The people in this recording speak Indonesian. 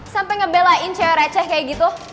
sampai ngebelain cewek receh kayak gitu